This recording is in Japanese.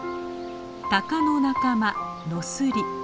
タカの仲間ノスリ。